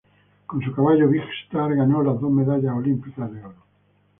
Con su caballo Big Star ganó las dos medallas olímpicas de oro.